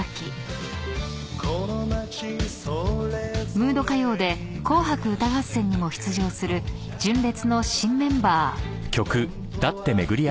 ［ムード歌謡で『紅白歌合戦』にも出場する純烈の新メンバー］